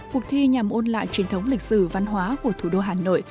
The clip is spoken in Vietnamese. cuộc thi nhằm ôn lại truyền thống lịch sử văn hóa của thủ đô hà nội